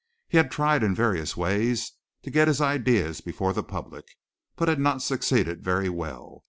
He had tried in various ways to get his ideas before the public, but had not succeeded very well.